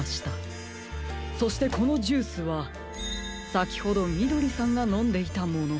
そしてこのジュースはさきほどみどりさんがのんでいたもの。